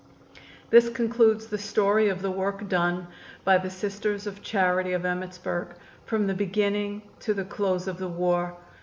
This concludes the story of the work done by the Sisters of Charity of Emmittsburg from the beginning to the close of the war.